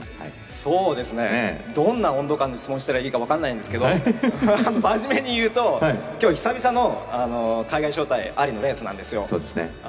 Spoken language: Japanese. どんな温度感で質問したらいいか分からないんですけど真面目にいうと今日、久々の海外招待ありのレースなんですよ。